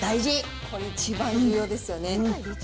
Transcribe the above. これ一番重要ですよね。